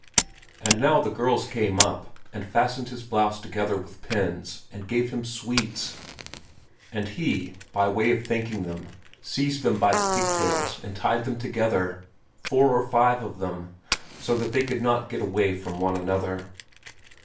And now the girls came up, and fastened his blouse together with pins, and gave him sweets; and he, by way of thanking them, seized them by their pigtails and tied them together, four or five of them, so that they could not get away from one another.